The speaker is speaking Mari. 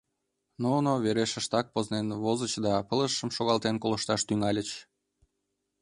Нуно верешыштак пызнен возыч да пылышым шогалтен колышташ тӱҥальыч.